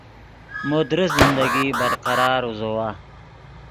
مو درست زندگی برقرار اوزوّا